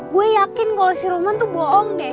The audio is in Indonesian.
gue yakin kalo si roman tuh bohong deh